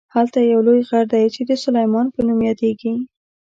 هلته یو لوی غر دی چې د سلیمان په نوم یادیږي.